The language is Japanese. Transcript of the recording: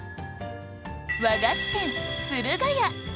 和菓子店駿河屋